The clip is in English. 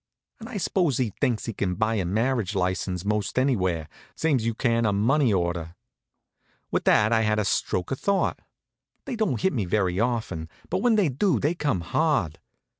And I suppose he thinks he can buy a marriage license most anywhere, same's you can a money order. With that I had a stroke of thought. They don't hit me very often, but when they do, they come hard.